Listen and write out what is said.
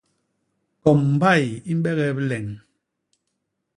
Kom mbai i mbegee bileñ.